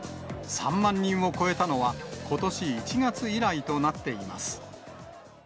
３万人を超えたのは、ことし１月以来となっています。